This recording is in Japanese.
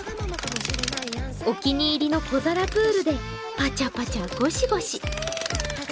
お気に入りの小皿プールでぱちゃぱちゃゴシゴシ。